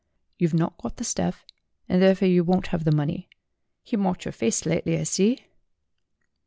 "You've not got the stuff, and therefore you won't have the money. He marked your face slightly, I see."